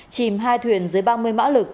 chìm hai thuyền dưới ba mươi mã lực